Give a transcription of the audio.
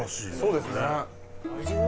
そうです。